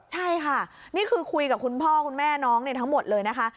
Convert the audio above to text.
ใช่ค่ะนี่คือคุยกับคุณพ่อคุณแม่น้องทั้งหมดเลยนะคะ